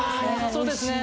そうですね